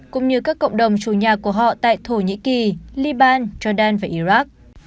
cũng như các cộng đồng chủ nhà của họ tại thổ nhĩ kỳ liban jordan và iraq